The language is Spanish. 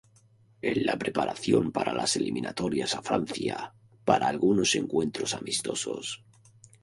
En la preparación para las Eliminatorias a Francia, para algunos encuentros amistosos.